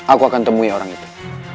aku akan temui orang itu